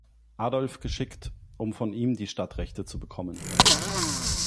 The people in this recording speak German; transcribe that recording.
Adolf geschickt, um von ihm die Stadtrechte zu bekommen.